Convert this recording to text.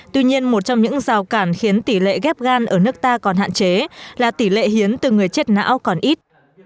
tuy nhiên một trong những rào cản khiến tỷ lệ ghép gan ở nước ta còn hạn chế là tỷ lệ hiến từ người chết não còn ít